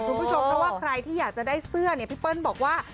คุณผู้ชมเพราะว่าใครที่อยากจะได้เสื้อเนี่ยพี่เปิ้ลบอกว่า